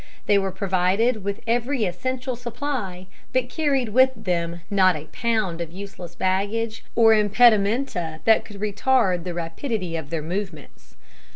They were provided with every essential supply, but carried with them not a pound of useless baggage or impedimenta that could retard the rapidity of their movements.